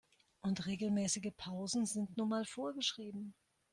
Und regelmäßige Pausen sind nun mal vorgeschrieben.